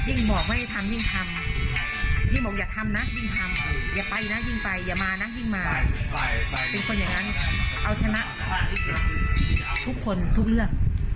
เป็นคนอย่างงั้นเอาชนะทุกคนทุกเรื่อง